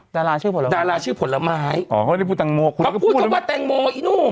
ดาราชื่อผลไม้ดาราชื่อผลไม้อ๋อเค้าได้พูดแตงโมเค้าพูดก็ว่าแตงโมอีนุ่ง